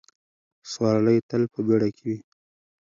سوارلۍ تل په بیړه کې وي.